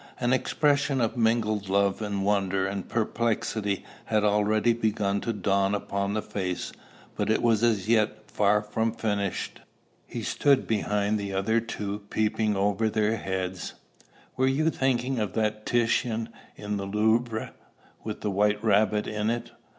An expression of mingled love and wonder and perplexity had already begun to dawn upon the face, but it was as yet far from finished. He stood behind the other two peeping over their heads. "Were you thinking of that Titian in the Louvre, with the white rabbit in it?"